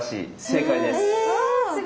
正解です。